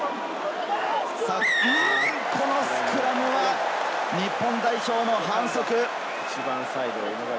このスクラムは日本代表の反則。